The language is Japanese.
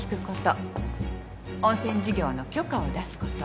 温泉事業の許可を出すこと